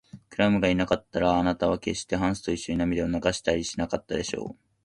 クラムがいなかったら、あなたはけっしてハンスといっしょに涙を流したりしなかったでしょう。